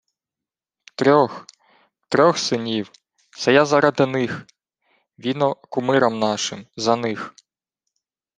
— Трьох... трьох синів. Се я заради них... Віно кумирам нашим... За них...